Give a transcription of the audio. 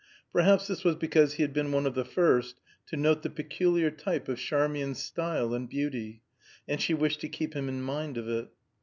Perhaps this was because he had been one of the first to note the peculiar type of Charmian's style and beauty, and she wished to keep him in mind of it.